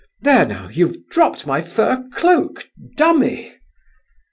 There, now, you've dropped my fur cloak—dummy!"